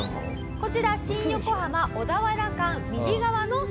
こちら新横浜小田原間右側の車窓です。